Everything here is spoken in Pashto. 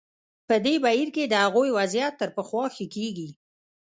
په دې بهیر کې د هغوی وضعیت تر پخوا ښه کېږي.